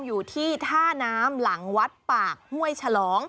อยู่ที่ท่าน้ำหลังวัดปากห้วยฉลอง